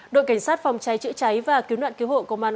đội cảnh sát phòng cháy chữa cháy và cứu nạn cứu hộ công an